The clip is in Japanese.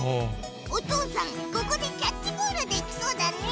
おとうさんここでキャッチボールできそうだね！